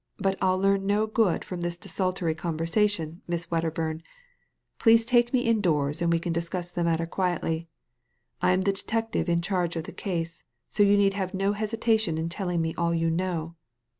But Tli learn no good from this desultory conversation, Miss Wed derbum. Please take me indoors and we can discuss the matter quietly. I am the detective in charge of the case, so you need have no hesitation in telling me all you know."